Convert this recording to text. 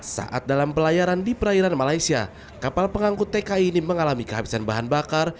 saat dalam pelayaran di perairan malaysia kapal pengangkut tki ini mengalami kehabisan bahan bakar